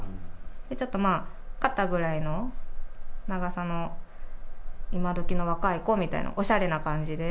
ちょっとまあ、肩ぐらいの長さのいまどきの若い子みたいな、おしゃれな感じで。